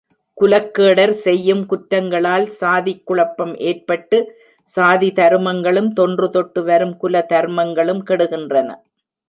குலக்கேடர் செய்யும் குற்றங்களால் சாதிக் குழப்பம் ஏற்பட்டு, சாதி தருமங்களும் தொன்று தொட்டு வரும் குலதருமங்களும் கெடுகின்றன.